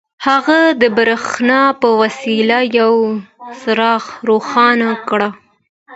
هغه د برېښنا په وسيله يو څراغ روښانه کړ.